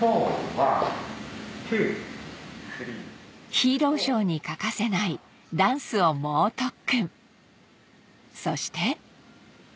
ヒーローショーに欠かせないダンスを猛特訓そして